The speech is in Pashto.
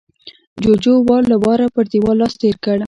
جُوجُو وار له واره پر دېوال لاس تېر کړ